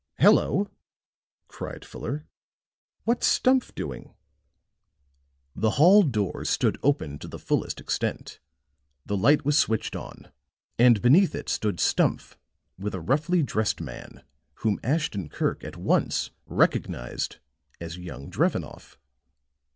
"Hello," cried Fuller, "what's Stumph doing?" The hall door stood open to the fullest extent; the light was switched on, and beneath it stood Stumph with a roughly dressed man whom Ashton Kirk an once recognized as young Drevenoff.